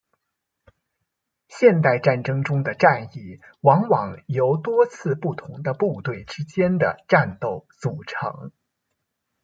现代战争中的战役往往由多次不同的部队之间的战斗组成。